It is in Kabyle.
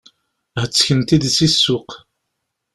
Hettken-t-id si ssuq.